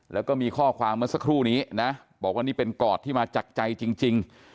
แล้วก็มีข้อความเมื่อสักครู่นี้นะบอกว่านี่เป็นกอดที่มาจากใจจริง